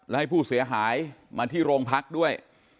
และให้ผู้เสียหายมาที่โรงพักด้วย